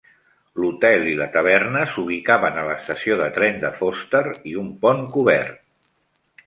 L'hotel i la taverna s'ubicaven a l'estació de tren de Foster i un pont cobert.